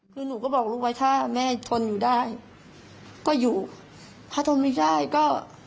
คือหนูก็บอกลูกไว้ถ้าแม่ทนอยู่ได้ก็อยู่ถ้าทนไม่ได้ก็